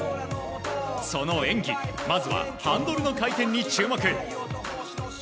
その演技まずはハンドルの回転に注目。